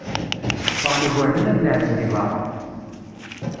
Ffɣen igerdan ad leεben deg berra.